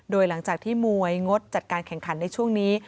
โดยหลังจากที่มวยงดจัดการแข่งขันในช่วงนี้